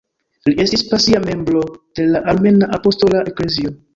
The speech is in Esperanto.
Li estis pasia membro de la Armena Apostola Eklezio.